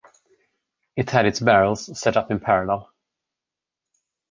It had its barrels set up in parallel.